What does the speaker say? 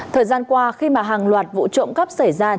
thời gian qua khi mà hàng loạt vụ trộm cắp xảy ra